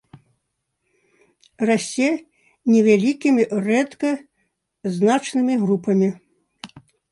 Расце невялікімі, рэдка значнымі групамі.